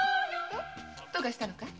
どうかしたのかい？